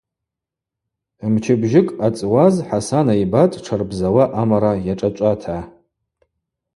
Мчыбжьыкӏ ъацӏуаз Хӏасана йбатӏ тшарбзауа амара йашӏачӏвата.